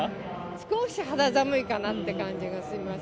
少し肌寒いかなって感じがします。